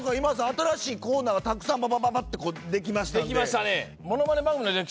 新しいコーナーたくさんばばばばってできました。